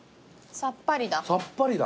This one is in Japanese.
さっぱりだ。